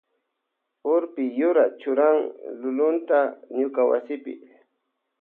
Urpi yura churan lulunta ñuka wasipi.